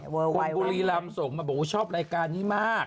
คนบุรีรำส่งมาบอกว่าชอบรายการนี้มาก